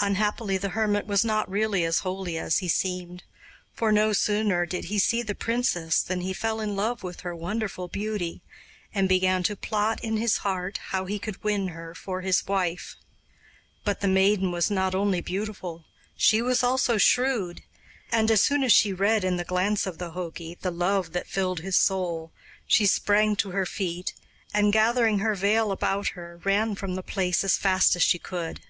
Unhappily, the hermit was not really as holy as he seemed; for no sooner did he see the princess than he fell in love with her wonderful beauty, and began to plot in his heart how he could win her for his wife. But the maiden was not only beautiful, she was also shrewd; and as soon as she read in the glance of the jogi the love that filled his soul, she sprang to her feet, and, gathering her veil about her, ran from the place as fast as she could.